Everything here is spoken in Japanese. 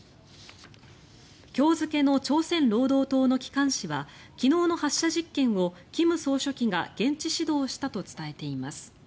今日付の朝鮮労働党の機関紙は昨日の発射実験を金総書記が現地指導したと伝えています。